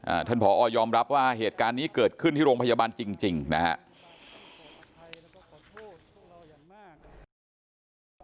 ท่านผอยอมรับว่าเหตุการณ์นี้เกิดขึ้นที่โรงพยาบาลจริงจริงนะฮะ